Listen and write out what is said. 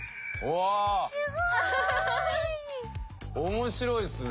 面白いですね。